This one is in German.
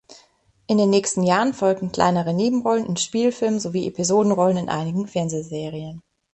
In den nächsten Jahren folgten kleinere Nebenrollen in Spielfilmen sowie Episodenrollen in einigen Fernsehserien.